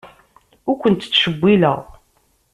Ur kent-ttcewwileɣ.